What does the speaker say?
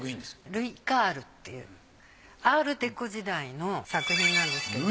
ルイ・イカールっていうアールデコ時代の作品なんですけど。